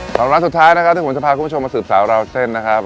ของร้านสุดท้ายนะครับที่ผมจะพาคุณผู้ชมมาสืบสาวราวเส้นนะครับ